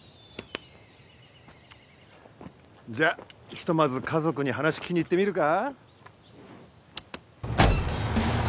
じゃひとまず家族に話聞きに行ってみるか？